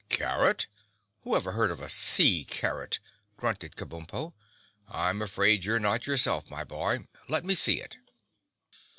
"Carrot! Who ever heard of a sea carrot?" grunted Kabumpo. "I'm afraid you're not yourself, my boy. Let me see it."